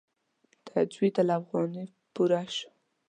تجوید الافغاني پوره شو.